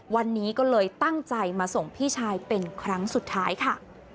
วันนี้ก็เลยตั้งใจมาส่งพี่ชายเป็นครั้งสุดท้ายค่ะ